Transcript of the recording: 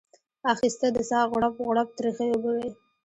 اخیسته د ساه غړپ غړپ ترخې اوبه وې